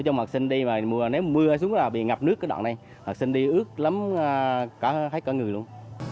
nếu mưa xuống là bị ngập nước hạt sinh đi ướt lắm cả người luôn